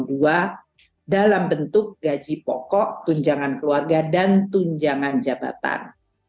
dalam bentuk gaji pokok tunjangan keluarga dan tunjangan jabatan